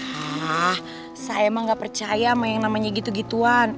hah saya emang gak percaya sama yang namanya gitu gituan